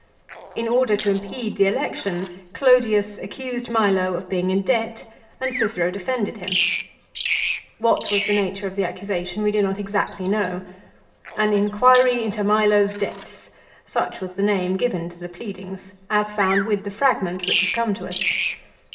In order to impede the election Clodius accused Milo of being in debt and Cicero defended him. What was the nature of the accusation we do not exactly know. "An in quiry into Milo's debts !" Such was the name given to the pleadings as found with the fragments which have come to us.